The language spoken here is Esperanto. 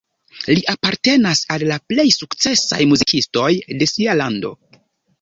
Li apartenas al la plej sukcesaj muzikistoj de sia lando.